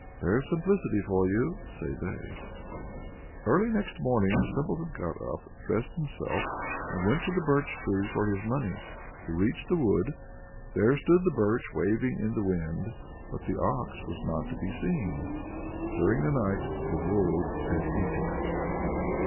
"There's simplicity for you!" say they. Early next morning the Simpleton got up, dressed himself, and went to the Birch tree for his money. He reached the wood; there stood the Birch, waving in the wind, but the ox was not to be seen. During the night the wolves had eaten it.